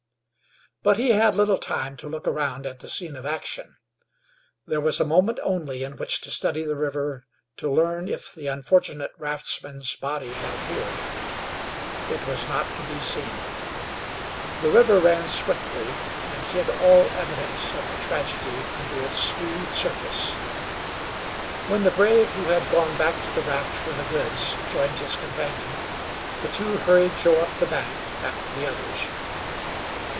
But he had little time to look around at the scene of action. There was a moment only in which to study the river to learn if the unfortunate raftsman's body had appeared. It was not to be seen. The river ran swiftly and hid all evidence of the tragedy under its smooth surface. When the brave who had gone back to the raft for the goods joined his companion the two hurried Joe up the bank after the others.